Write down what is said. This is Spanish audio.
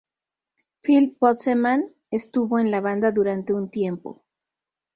Phil Bozeman estuvo en la banda durante un tiempo.